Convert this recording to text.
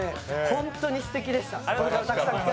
ホントにすてきでした。